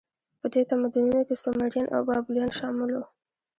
په دې تمدنونو کې سومریان او بابلیان شامل وو.